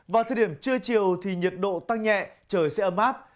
vào thời điểm trưa chiều thì nhiệt độ tăng nhẹ trời sẽ ấm áp